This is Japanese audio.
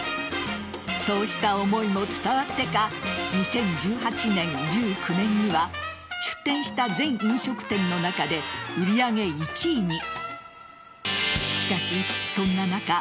そうした思いも伝わってか２０１８年、２０１９年には出店した全飲食店の中で売り上げ１位に。